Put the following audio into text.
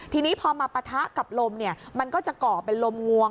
ทีนี้พอมาปะทะกับลมมันก็จะก่อเป็นลมงวง